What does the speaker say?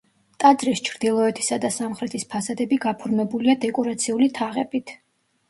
ტაძრის ჩრდილოეთისა და სამხრეთის ფასადები გაფორმებულია დეკორაციული თაღებით.